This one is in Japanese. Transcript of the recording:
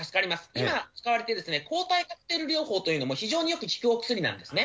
今、使われている抗体カクテル療法というのも、非常によく効くお薬なんですね。